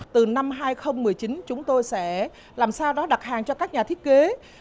từ năm hai nghìn một mươi chín chúng tôi sẽ làm sao đó đặt hàng cho các nhà thiết kế